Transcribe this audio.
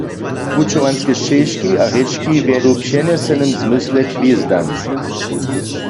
Pućowanske šćežki a rěčki wjedu w přenjesenym zmysle k hwězdam.